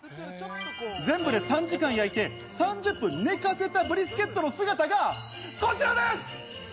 全部で３時間焼いて３０分寝かせたブリスケットの姿がこちらです。